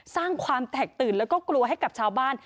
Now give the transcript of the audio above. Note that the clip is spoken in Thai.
สร้างความแตกตื่นแล้วก็กลัวให้กับชาวบ้าน